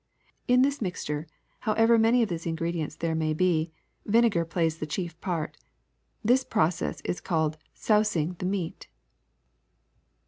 In this mixture, however many of these ingredients there may be, vinegar plays the chief part. This process is called sousing the meat.'